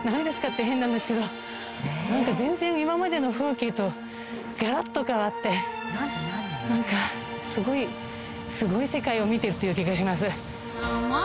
って変なんですけどなんか全然今までの風景とガラッと変わってなんかすごい世界を見てるという気がします